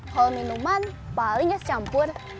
kalau minuman paling ya campur